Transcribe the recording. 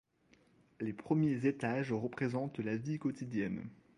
Les premiers étages représentent la vie quotidienne.